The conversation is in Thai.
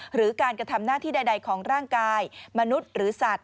หรือการกระทำหน้าที่ใดของร่างกายมนุษย์หรือสัตว